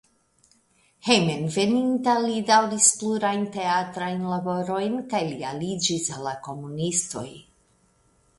Hejmenveninta li daŭris plurajn teatrajn laborojn kaj li aliĝis al la komunistoj.